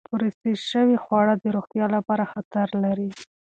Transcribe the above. پروسس شوې خواړه د روغتیا لپاره خطر لري.